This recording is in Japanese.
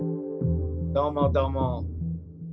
どうも、どうも。